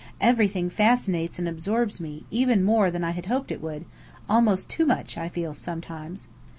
Everything fascinates and absorbs me, even more than I had hoped it would almost too much, I feel sometimes.